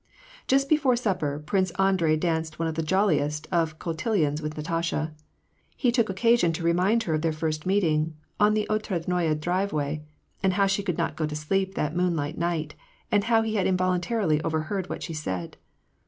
Just before supper. Prince Andrei danced one of the jolliest of cotillions with Natasha. He took occasion to remind her of their first meeting on the Otradnoye driveway, and how she could not go to sleep that moonlight night, and how he had involuntarily overheard what she said.